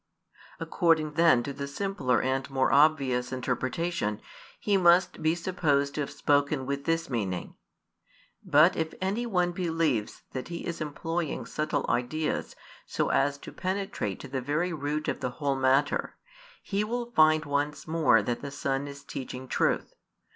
According then to the simpler and more obvious interpretation, He must be supposed to have spoken with this meaning: but if any one believes that He is employing subtle ideas so as to penetrate to the very root of the whole matter, he will find once more that the Son is teaching truth.